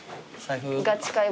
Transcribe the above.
財布。